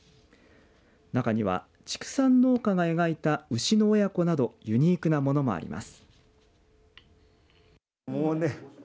中には、畜産農家が描いた牛の親子などユニークなものもあります。